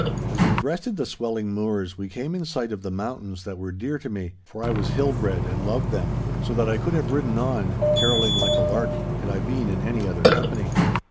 As we breasted the swelling moors, we came in sight of the mountains that were dear to me, for I was hill bred and loved them—so that I could have ridden on, carolling like a lark, had I been in any other company.